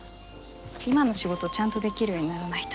今の仕事ちゃんとできるようにならないと。